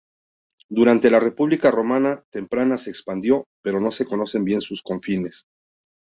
Durante la República romana temprana se expandió, pero no se conocen bien sus confines.